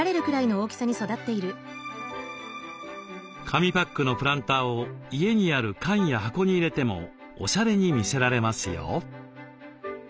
紙パックのプランターを家にある缶や箱に入れてもおしゃれに見せられますよ。